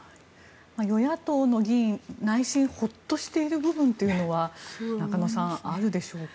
与野党の議員は内心ホッとしている部分というのは中野さんあるでしょうか？